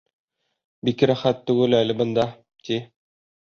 — Бик рәхәт түгел әле бында, ти.